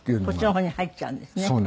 こっちの方に入っちゃうんですね。